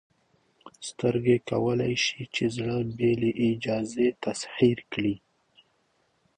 سترګې کولی شي چې زړه بې له اجازې تسخیر کړي.